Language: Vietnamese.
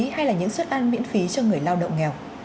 hay là những suất ăn miễn phí cho người lao động nghèo